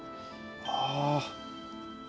ああ。